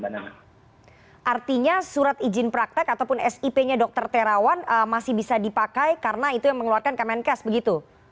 artinya surat izin praktek ataupun sip nya dr terawan masih bisa dipakai karena itu yang mengeluarkan kemenkes begitu